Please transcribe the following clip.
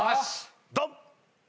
ドン！